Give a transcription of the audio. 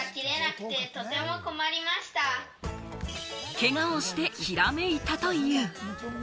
けがをして、ひらめいたという。